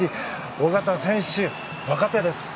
小方選手、若手です。